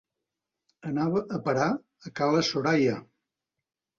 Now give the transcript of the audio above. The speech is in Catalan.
Anava a parar a ca la Soraia.